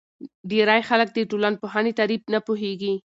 ډېری خلک د ټولنپوهنې تعریف نه پوهیږي.